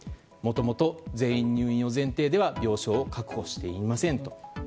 もともと全員入院前提では病床を確保していません。